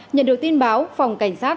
nhận được tin báo phòng cảnh sát